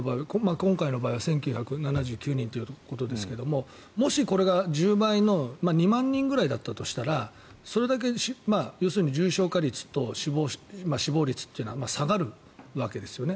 今回の場合は１９７９人ということですがもし、これが１０倍の２万人ぐらいだったとしたらそれだけ重症化率と死亡率というのは下がるわけですよね。